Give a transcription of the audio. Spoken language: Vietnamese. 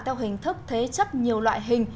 theo hình thức thế chấp nhiều loại hình